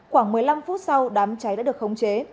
khoảng một mươi năm phút sau đám cháy đã được khống chế